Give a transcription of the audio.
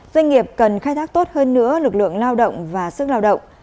doanh nghiệp cần khai thác tốt hơn nữa lực lượng lao động và sức lao động